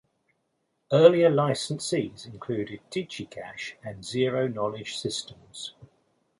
Earlier licensees included DigiCash and Zero-Knowledge Systems.